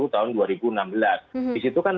tahun dua ribu enam belas disitu kan